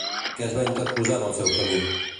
Què es va interposar en el seu camí?